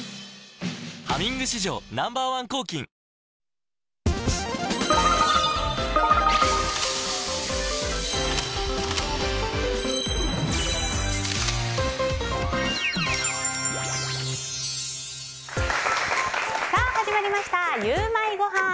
「ハミング」史上Ｎｏ．１抗菌さあ、始まりましたゆウマいごはん。